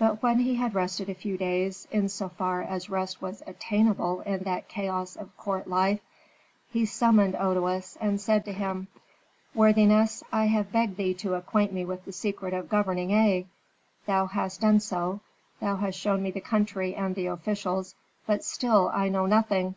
But when he had rested a few days, in so far as rest was attainable in that chaos of court life, he summoned Otoes, and said to him, "Worthiness, I have begged thee to acquaint me with the secret of governing Aa. Thou hast done so, thou hast shown me the country and the officials, but still I know nothing.